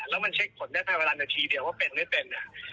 แล้วมันเช็คผลได้ภายเวลานาทีเดียวว่าเป็นไม่เป็น